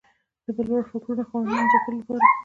د بل وړ فکرونو خاوندانو ځپلو لپاره